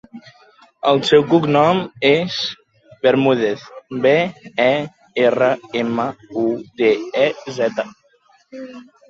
El seu cognom és Bermudez: be, e, erra, ema, u, de, e, zeta.